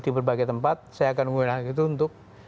di berbagai tempat saya akan menggunakan itu untuk